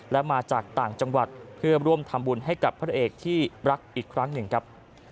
และมาจากต่างจังหวัดเพื่อร่วมทำบุญให้กับพระเอกที่รักอีกครั้งหนึ่งครับ